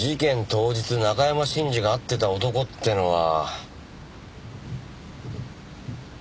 当日中山信二が会ってた男ってのは。